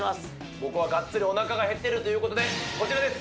僕はがっつりおなかが減っているということで、こちらです。